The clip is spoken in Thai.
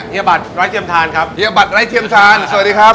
บัตรไร้เทียมทานครับเฮียบัตรไร้เทียมทานสวัสดีครับ